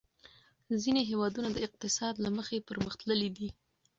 ځینې هېوادونه د اقتصاد له مخې پرمختللي دي.